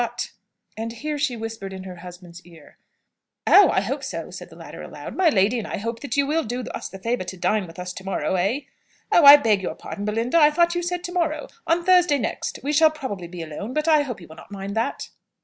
But " And here she whispered in her husband's ear. "Oh, I hope so," said the latter aloud. "My lady and I hope that you will do us the favour to dine with us to morrow eh? Oh, I beg your pardon, Belinda, I thought you said to morrow! on Thursday next. We shall probably be alone, but I hope you will not mind that?"